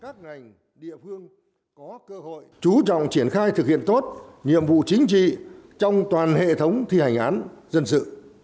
các ngành địa phương có cơ hội chú trọng triển khai thực hiện tốt nhiệm vụ chính trị trong toàn hệ thống thi hành án dân sự